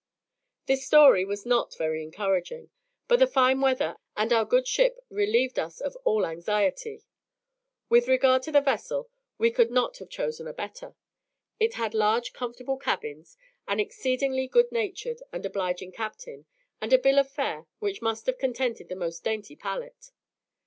This story was not very encouraging, but the fine weather and our good ship relieved us of all anxiety. With regard to the vessel, we could not have chosen a better. It had large, comfortable cabins, an exceedingly good natured and obliging captain, and a bill of fare which must have contented the most dainty palate.